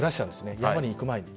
山に行く前に。